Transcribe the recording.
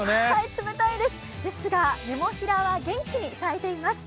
冷たいですが、ネモフィラは元気に咲いています。